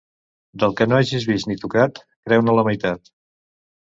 Del que no hagis vist ni tocat, creu-ne la meitat.